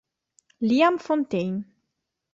Liam Fontaine